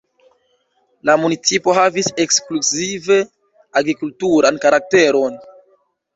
La municipo havis ekskluzive agrikulturan karakteron.